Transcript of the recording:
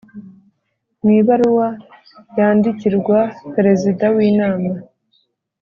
mu ibaruwa yandikirwa Perezida w Inama